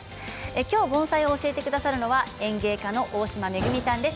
きょう、教えてくださるのは園芸家の大島恵さんです。